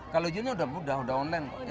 kalau izinnya udah mudah udah online kok ya